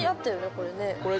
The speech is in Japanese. これね。